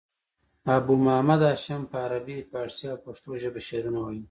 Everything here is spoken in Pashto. ابو محمد هاشم په عربي، پاړسي او پښتو ژبه شعرونه ویل.